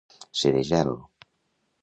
Ser de gel.